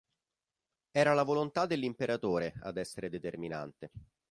Era la volontà dell'Imperatore ad essere determinante.